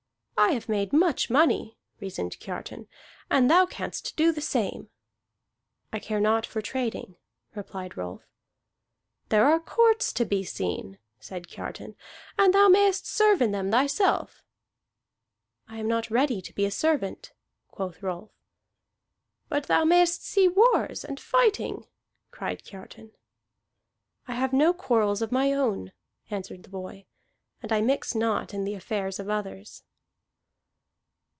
"I have made much money," reasoned Kiartan, "and thou canst do the same." "I care not for trading," replied Rolf. "There are courts to be seen," said Kiartan, "and thou mayest serve in them thyself." "I am not ready to be a servant," quoth Rolf. "But thou mayest see wars and fighting," cried Kiartan. "I have no quarrels of my own," answered the boy, "and I mix not in the affairs of others."